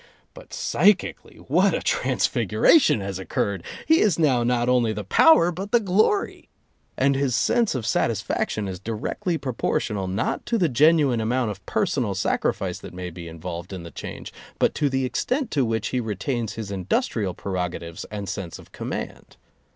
But psychically, what a transfiguration has occurred! His is now not only the power but the glory ! And his sense of satisfaction is directly proportional not to the genuine amount of personal sacrifice that may be involved in the change but to the extent to which he retains his industrial prerogatives and sense of command.